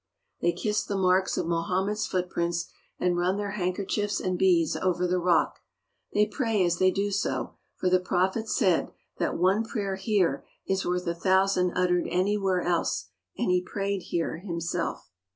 They kiss the marks of Mo hammed's footprints and run their handkerchiefs and beads over the rock. They pray as they do so, for the Prophet said that one prayer here is worth a thousand uttered anywhere else, and he prayed here himself.